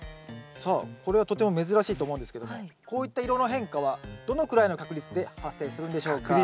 さあこれはとても珍しいと思うんですけどもこういった色の変化はどのくらいの確率で発生するんでしょうか？